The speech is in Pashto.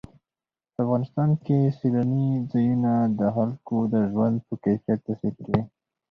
په افغانستان کې سیلانی ځایونه د خلکو د ژوند په کیفیت تاثیر کوي.